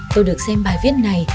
tôi được xem bài viết này